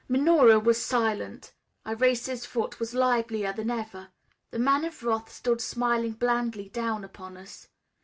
Minora was silent. Irais's foot was livelier than ever. The Man of Wrath stood smiling blandly down upon us.